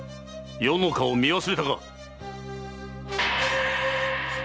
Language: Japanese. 余の顔を見忘れたか！